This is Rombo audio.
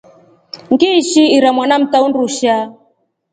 Ngiishi ira mwana mta undushaa.